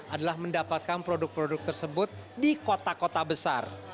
adalah mendapatkan produk produk tersebut di kota kota besar